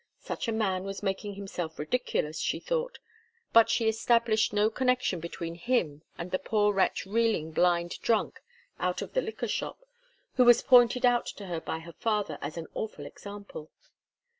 Such a man was making himself ridiculous, she thought, but she established no connection between him and the poor wretch reeling blind drunk out of a liquor shop, who was pointed out to her by her father as an awful example.